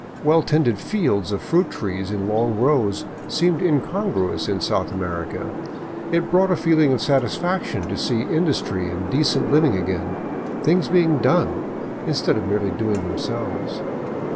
Well tended fields of fruit trees in long rows seemed incongruous in South America; it brought a feeling of satisfaction to see industry and decent living again, things being done, instead of merely doing themselves.